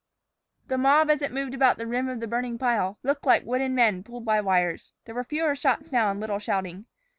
The mob as it moved about the rim of the burning pile, looked like wooden men pulled by wires. There were fewer shots now and little shouting.